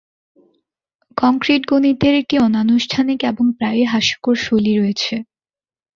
Concrete গণিতের একটি অনানুষ্ঠানিক এবং প্রায়ই হাস্যকর শৈলী রয়েছে।